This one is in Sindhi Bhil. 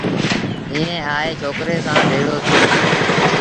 ائيٚݩ آئي ڇوڪري سآݩ ڀيڙو ٿيٚو